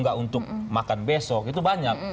nggak untuk makan besok itu banyak